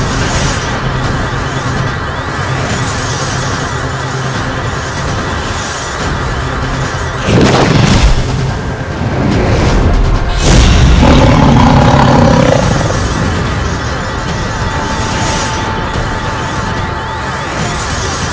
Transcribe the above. sepertinya penyakitku kambuh